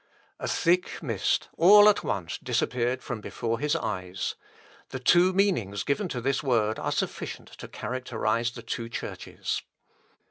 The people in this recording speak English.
A thick mist all at once disappeared from before his eyes. The two meanings given to this word are sufficient to characterise the two churches.